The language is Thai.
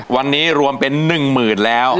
วันนี้รวมเป็น๑หมื่นแล้ว